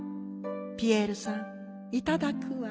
ピエールさんいただくわ。